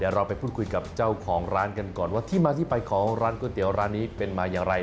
เราไปพูดคุยกับเจ้าของร้านกันก่อนว่าที่มาที่ไปของร้านก๋วยเตี๋ยวร้านนี้เป็นมาอย่างไร